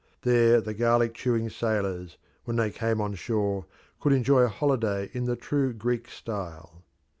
There the garlic chewing sailors, when they came on shore, could enjoy a holiday in the true Greek style.